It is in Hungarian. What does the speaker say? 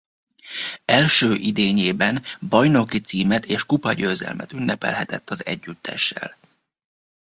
Első idényében bajnoki címet és kupagyőzelmet ünnepelhetett az együttessel.